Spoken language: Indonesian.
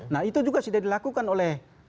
nah itu juga sudah dilakukan oleh